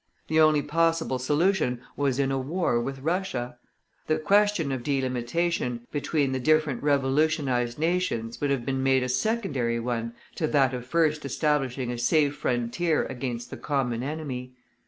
The only possible solution was in a war with Russia. The question of delimitation between the different revolutionized nations would have been made a secondary one to that of first establishing a safe frontier against the common enemy.